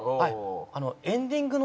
エンディング。